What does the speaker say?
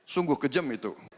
sungguh kejem itu